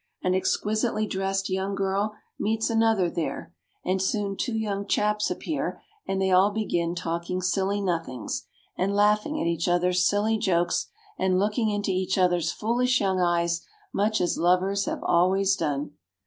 An exquisitely dressed young girl meets another there, and soon two young chaps appear and they all begin talking silly nothings, and laughing at each other's silly jokes, and looking into each other's foolish young eyes much as lovers have always done.